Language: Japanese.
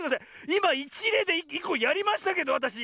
いまいちれいでいっこやりましたけどわたし。